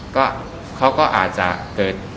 ก็เขาก็อาจจะเกิด